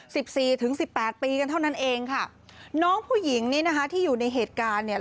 สิบสี่ถึงสิบแปดปีกันเท่านั้นเองค่ะน้องผู้หญิงนี้นะคะที่อยู่ในเหตุการณ์เนี่ย